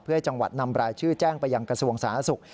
เพื่อให้จังหวัดนำรายชื่อแจ้งไปยังกระทรวงสาธารณสุข